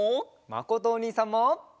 まことおにいさんも！